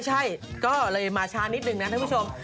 ใช่ก็เลยมาช้านิดนึงนะท่านผู้ชม